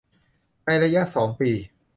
ในระยะสองปี